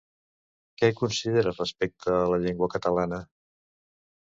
Què considera respecte de la llengua catalana?